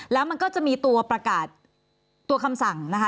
แล้วมันก็จะมีตัวประกาศตัวคำสั่งนะคะ